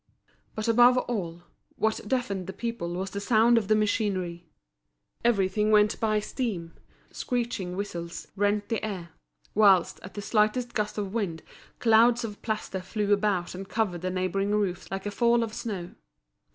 But above all, what deafened the people was the sound of the machinery. Everything went by steam, screeching whistles rent the air; whilst, at the slightest gust of wind, clouds of plaster flew about and covered the neighbouring roofs like a fall of snow.